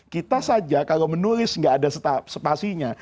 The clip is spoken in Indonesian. kita saja kalau menulis nggak ada spasinya